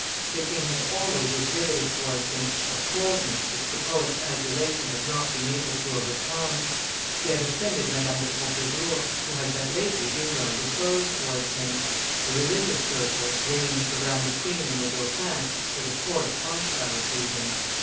The king had always exhibited towards him a coldness which the poet's adulation had not been able to overcome; he had offended Madame de Pompadour, who had but lately been well disposed towards him; the religious circle, ranged around the queen and the dauphin, was of course hostile to him.